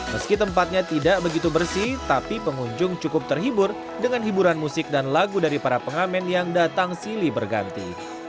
meski tempatnya tidak begitu bersih tapi pengunjung cukup terhibur dengan hiburan musik dan lagu dari para pengamen yang datang silih berganti